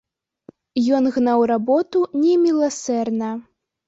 Ён гнаў работу неміласэрна.